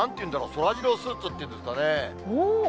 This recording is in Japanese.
そらジロースーツっていうんですかね。